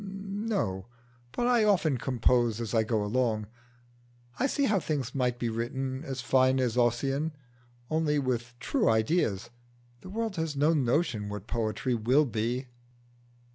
"No; but I often compose as I go along. I see how things might be written as fine as Ossian, only with true ideas. The world has no notion what poetry will be."